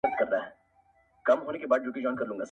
ستا و ما لره بیا دار دی-